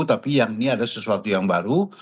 tapi yang ini ada sesuatu yang baru